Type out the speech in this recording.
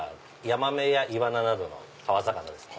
ヤマメやイワナなどの川魚です。